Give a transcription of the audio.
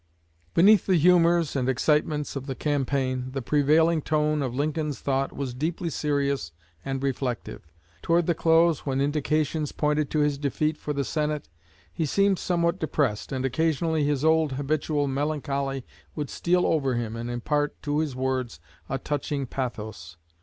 Beneath the humors and excitements of the campaign, the prevailing tone of Lincoln's thought was deeply serious and reflective. Toward the close, when indications pointed to his defeat for the Senate, he seemed somewhat depressed, and occasionally his old habitual melancholy would steal over him and impart to his words a touching pathos.